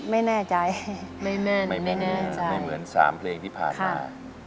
ไม่แน่ใจไม่แน่ไม่แน่ใจไม่เหมือนสามเพลงที่ผ่านมา